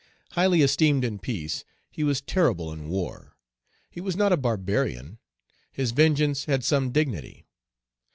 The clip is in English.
Highly esteemed in peace, he was terrible in war. He was not a barbarian; his vengeance had some dignity.